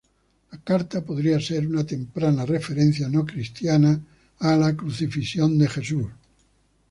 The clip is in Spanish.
La carta podría ser una temprana referencia no cristiana a la crucifixión de Jesús.